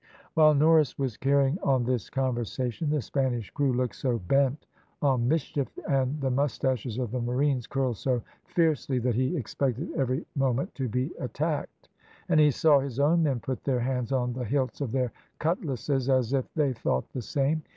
"While Norris was carrying on this conversation, the Spanish crew looked so bent on mischief, and the moustaches of the marines curled so fiercely that he expected every moment to be attacked, and he saw his own men put their hands on the hilts of their cutlasses as if they thought the same.